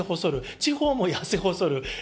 地方もやせ細る。